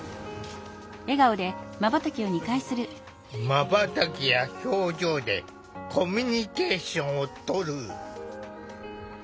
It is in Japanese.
まばたきや表情でコミュニケーションをとる。